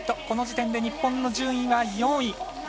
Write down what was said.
この時点で日本の順位は４位。